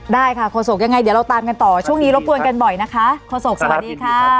ได้ค่ะโฆษกยังไงเดี๋ยวเราตามกันต่อช่วงนี้รบกวนกันบ่อยนะคะโฆษกสวัสดีค่ะ